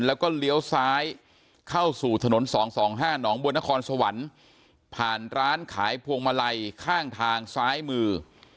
แล้วก็เลี้ยวซ้ายเข้าสู่ถนน๒๒๕หนองบัวนครสวรรค์ผ่านร้านขายพวงมาลัยข้างทางซ้ายมือ